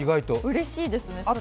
うれしいですね、それは。